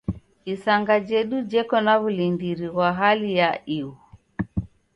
Isanga jedu jeko na w'ulindiri ghwa hali ya ighu.